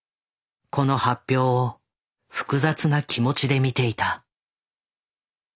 この発表を複雑な気持ちで見ていた。